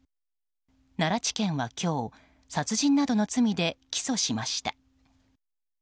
奈良地検は今日殺人などの罪で起訴しました。